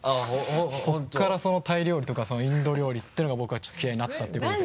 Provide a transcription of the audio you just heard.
そこからタイ料理とかインド料理っていうのが僕はちょっと嫌いになったっていうことで。